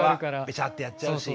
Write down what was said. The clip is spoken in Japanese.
ベチャッてやっちゃうし。